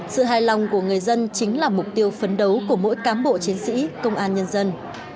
sự hài lòng của người dân chính là mục tiêu phấn đấu của mỗi cán bộ chiến sĩ công an nhân dân